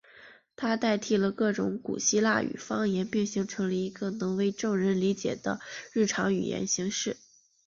它替代了各种古希腊语方言并形成了一个能为众人理解的日常语言形式。